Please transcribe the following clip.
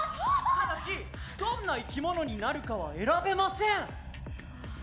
ただしどんないきものになるかは選べません」。